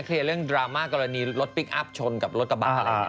เดี๋ยวก็มีดราม่ากรณีรถพลิกอัพชนกับรถกระบามอะไรแบบนี้